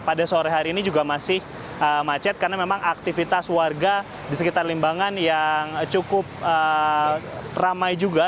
pada sore hari ini juga masih macet karena memang aktivitas warga di sekitar limbangan yang cukup ramai juga